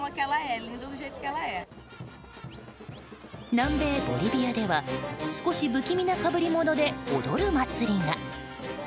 南米ボリビアでは少し不気味なかぶりもので踊る祭りが。